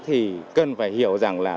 thì cần phải hiểu rằng là